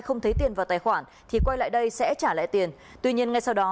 không thấy tiền vào tài khoản thì quay lại đây sẽ trả lại tiền tuy nhiên ngay sau đó